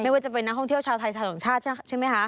ว่าจะเป็นนักท่องเที่ยวชาวไทยชาวต่างชาติใช่ไหมคะ